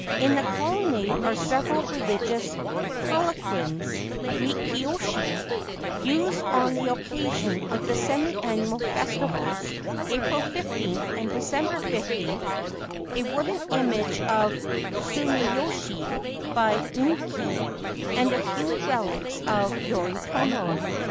In the colonnade are several religious palanquins (mikoshi) used on the occasion of the semi annual festivals (April 15 and December 15), a wooden image of Sumiyoshi by Unkei, and a few relics of Yoritomo.